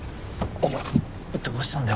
お前どうしたんだよ